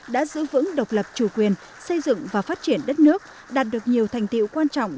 đã giữ vững độc lập chủ quyền xây dựng và phát triển đất nước đạt được nhiều thành tiệu quan trọng